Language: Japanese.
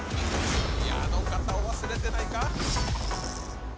あの方を忘れてないか？